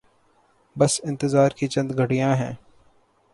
بس انتظار کی چند گھڑیاں ہیں۔